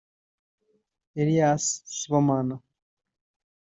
Elias Sibomana